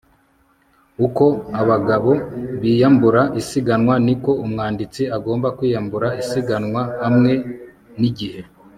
Nkuko abagabo biyambura isiganwa niko umwanditsi agomba kwiyambura isiganwa hamwe nigihe